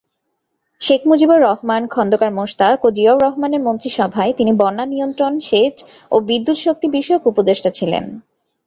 শেখ মুজিবুর রহমান, খন্দকার মোশতাক ও জিয়াউর রহমানের মন্ত্রিসভায় তিনি বন্যা নিয়ন্ত্রণ, সেচ ও বিদ্যুৎ শক্তি বিষয়ক উপদেষ্টা ছিলেন।